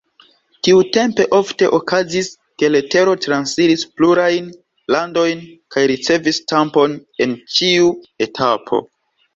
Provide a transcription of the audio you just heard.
Tiutempe ofte okazis, ke letero transiris plurajn landojn kaj ricevis stampon en ĉiu etapo.